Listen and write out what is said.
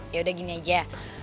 yaudah gini aja